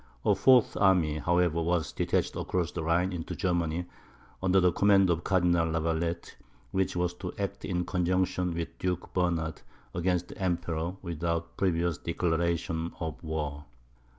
A fourth army, however, was detached across the Rhine into Germany, under the command of Cardinal Lavalette, which was to act in conjunction with Duke Bernard, against the Emperor, without a previous declaration of war.